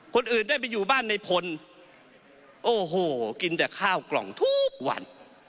คนอื่นได้ไปอยู่บ้านในพลโอ้โหกินแต่ข้าวกล่องทุกวัน